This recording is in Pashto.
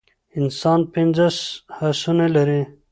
انسان پنځه حسونه لری